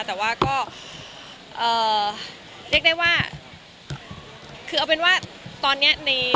แต่ว่าก็เรียกได้ว่าคือเอาเป็นว่าตอนนี้ใน